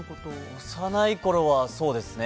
幼いころは、そうですね。